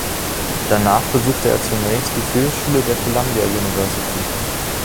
Danach besuchte er zunächst die Filmschule der Columbia University.